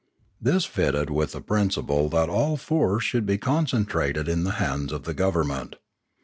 This fitted in with the principle that all force should concen trate in the hands of the government.